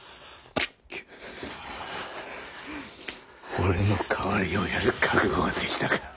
俺の代わりをやる覚悟ができたか。